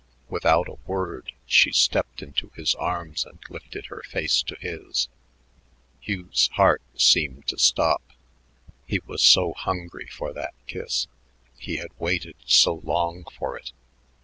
Without a word she stepped into his arms and lifted her face to his, Hugh's heart seemed to stop; he was so hungry for that kiss, he had waited so long for it.